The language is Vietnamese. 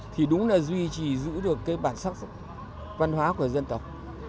thì đúng là duy trì giữ được cái bản sắc văn hóa của dân tộc